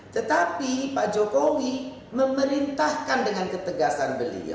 tetapi pak jokowi memerintahkan dengan ketegasan beliau